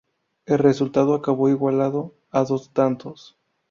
El resultado acabó igualado a dos tantos.